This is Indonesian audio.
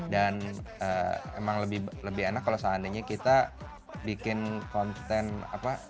dan emang lebih enak kalau seandainya kita bikin konten apa